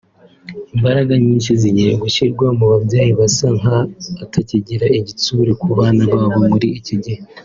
Imbaraga nyinshi zigiye gushyirwa mu babyeyi basa nk’abatakigira igitsure kubana babo muri iki gihe